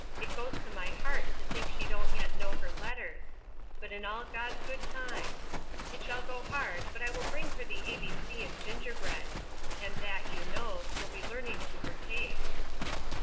it goes to my hart to think she don't yet know her letters But all in God's good time It shall go hard, but I will bring her the A B C in gingerbread; and that, you nose, will be learning to her taste.